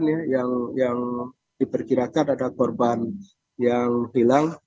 ada beberapa kecamatan ya yang diperkirakan ada korban yang hilang